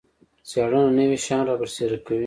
څیړنه نوي شیان رابرسیره کوي